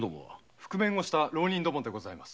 覆面をした浪人どもでございます。